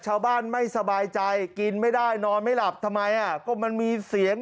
ชาวบ้านไม่สบายใจกินไม่ได้นอนไม่หลับทำไมอ่ะก็มันมีเสียง